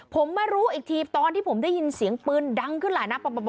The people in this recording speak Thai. ผมมารู้อีกทีตอนที่ผมได้ยินเสียงปืนดังขึ้นหลายนัด